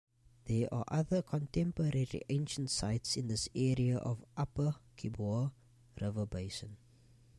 There are other contemporary ancient sites in this area of upper Khabur River basin.